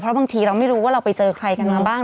บางทีเราไม่รู้ว่าเราไปเจอใครกันมาบ้าง